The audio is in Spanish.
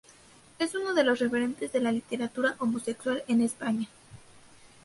Es uno de los referentes de la literatura homosexual en España.